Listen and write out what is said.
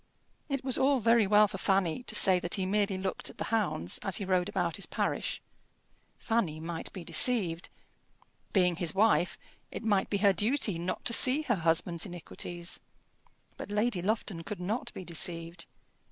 It was all very well for Fanny to say that he merely looked at the hounds as he rode about his parish. Fanny might be deceived. Being his wife, it might be her duty not to see her husband's iniquities. But Lady Lufton could not be deceived.